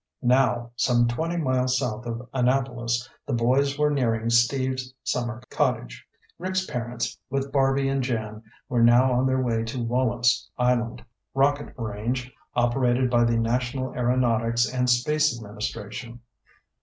Now, some twenty miles south of Annapolis, the boys were nearing Steve's summer cottage. Rick's parents, with Barby and Jan, were now on their way to Wallops Island rocket range operated by the National Aeronautics and Space Administration.